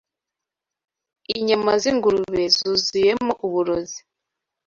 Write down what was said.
inyama z’ ingurube zuzuyemo uburozi